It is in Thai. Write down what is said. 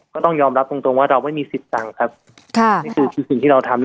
ก็ต้องยอมรับตรงว่าเราไม่มีสิทธิศังค่ะนี้ถึงที่เราทำ